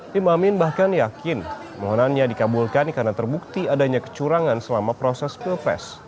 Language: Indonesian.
tim amin bahkan yakin mohonannya dikabulkan karena terbukti adanya kecurangan selama proses pilpres